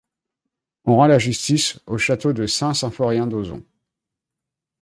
On rend la justice au château de Saint-Symphorien d'Ozon.